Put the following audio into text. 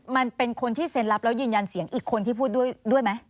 เป็นคนที่เซ็นรับแล้วยืนยันเสียงอีกคนที่พูดด้วยไหม